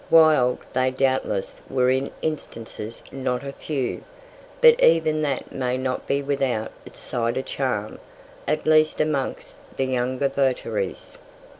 Wild they doubtless were in instances not a few; but even that may not be without its side of charm, at least amongst the younger votaries.